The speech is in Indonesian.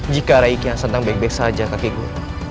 jika raden kian santan baik baik saja kakek guru